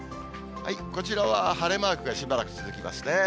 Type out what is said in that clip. こちらは晴れマークがしばらく続きますね。